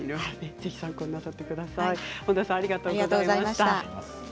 本多さんありがとうございました。